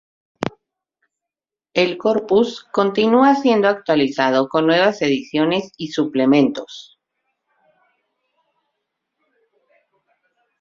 El "Corpus" continúa siendo actualizado con nuevas ediciones y suplementos.